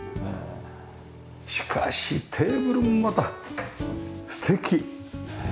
しかしテーブルもまた素敵。